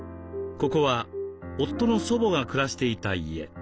ここは夫の祖母が暮らしていた家。